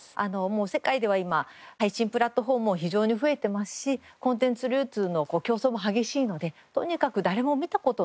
世界では今配信プラットフォームも非常に増えてますしコンテンツ流通の競争も激しいのでとにかく